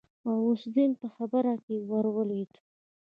غوث الدين په خبره کې ورولوېد.